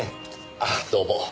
ああどうも。